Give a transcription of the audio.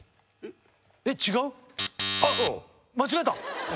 あっ間違えた！